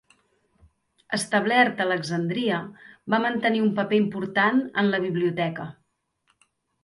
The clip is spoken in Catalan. Establert a Alexandria, va mantenir un paper important en la Biblioteca.